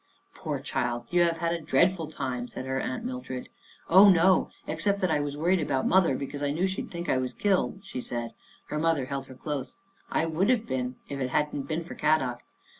" Poor child, you have had a dreadful time," said her Aunt Mildred. 130 Our Little Australian Cousin " Oh, no, except that I was worried about Mother, because I knew she'd think I was killed," she said. Her mother held her close. " I would have been if it hadn't been for Kadok."